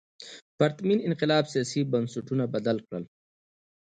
پرتمین انقلاب سیاسي بنسټونه بدل کړل.